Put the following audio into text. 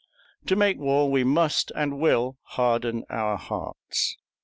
To make war we must and will harden our hearts.